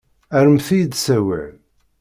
Rremt-iyi-d s wawal.